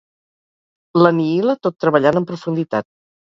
L'anihila tot treballant en profunditat.